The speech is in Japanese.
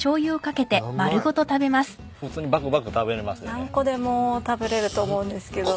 何個でも食べれると思うんですけど。